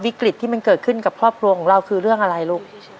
วิกฤตที่มันเกิดขึ้นกับครอบครัวของเราคือเรื่องอะไรลูก